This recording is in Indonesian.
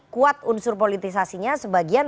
kuat unsur politisasinya sebagian